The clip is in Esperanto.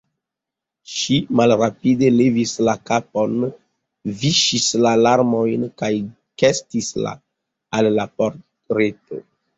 Ŝi malrapide levis la kapon, viŝis la larmojn kaj gestis al la portreto.